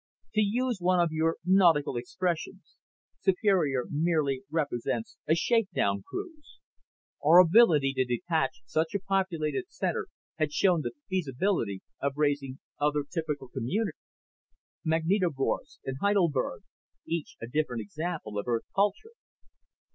"To use one of your nautical expressions, Superior merely represents a shake down cruise. Our ability to detach such a populated center had shown the feasibility of raising other typical communities such as New York, Magnitogorsk and Heidelberg each a different example of Earth culture."